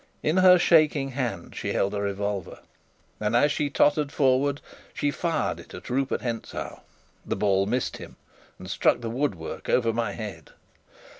In her shaking hand she held a revolver, and, as she tottered forward, she fired it at Rupert Hentzau. The ball missed him, and struck the woodwork over my head.